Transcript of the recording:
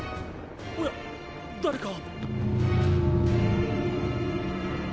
おや誰か。